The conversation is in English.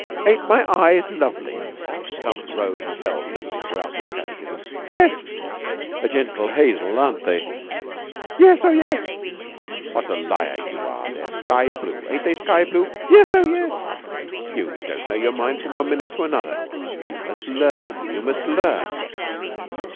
"Aren't my eyes lovely?" The stump rose and fell steadily throughout this catechism. "Yes." "A gentle hazel, aren't they?" "Yes oh, yes!" "What a liar you are! They're sky blue. Ain't they sky blue?" "Yes oh, yes!" "You don't know your mind from one minute to another. You must learn you must learn."